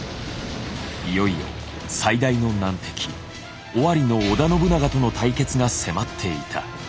いよいよ最大の難敵尾張の織田信長との対決が迫っていた。